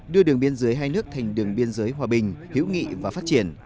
đưa đường biên giới hai nước thành đường biên giới hòa bình hữu nghị và phát triển